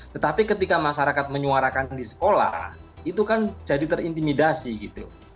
tetapi ketika masyarakat menyuarakan di sekolah itu kan jadi terintimidasi gitu